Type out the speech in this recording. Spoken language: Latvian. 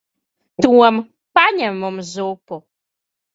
Tom. Paņem mums zupu.